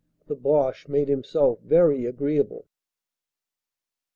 The Boche made him self very agreeable.